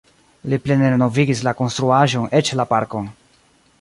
Li plene renovigis la konstruaĵon eĉ la parkon.